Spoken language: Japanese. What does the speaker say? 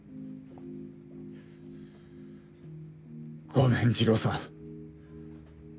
ごめん二郎さん。